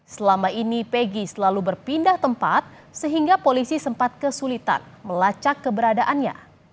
selama ini pegi selalu berpindah tempat sehingga polisi sempat kesulitan melacak keberadaannya